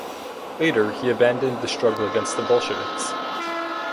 Later he abandoned the struggle against the Bolsheviks.